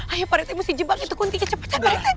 ayo pak rite mesti jebak itu kuntinya cepetan pak rite